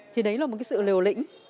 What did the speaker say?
thì đấy là một cái sự liều lĩnh